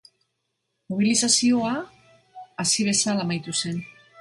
Mobilizazioa hasi bezala amaitu zen.